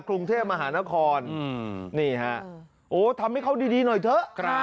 กรุงเทพมหานครนี่ฮะโอ้ทำให้เขาดีหน่อยเถอะ